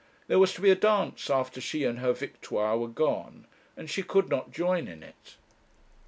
There was to be a dance after she and her Victoire were gone, and she could not join in it!